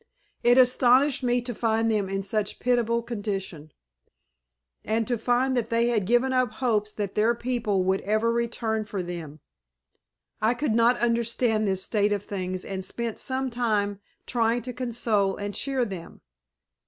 It astonished me to find them in such a pitiable condition, and to find that they had given up hopes that their people would ever return for them. I could not understand this state of things and spent some time trying to console and cheer them.